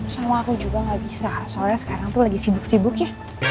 semua aku juga gak bisa soalnya sekarang tuh lagi sibuk sibuk ya